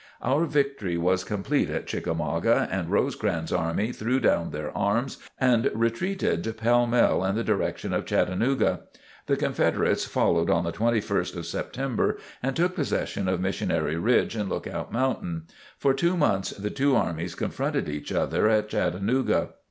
Our victory was complete at Chickamauga and Rosecrans' army threw down their arms and retreated pell mell in the direction of Chattanooga. The Confederates followed on the 21st of September and took possession of Missionary Ridge and Lookout Mountain. For two months the two armies confronted each other at Chattanooga.